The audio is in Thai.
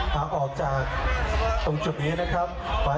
ดึงเด็กออกก่อนเนี่ย